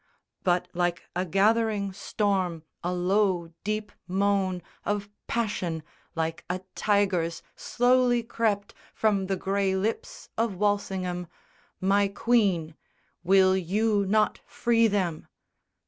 But like a gathering storm a low deep moan Of passion, like a tiger's, slowly crept From the grey lips of Walsingham. "My Queen, Will you not free them?"